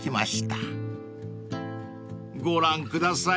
［ご覧ください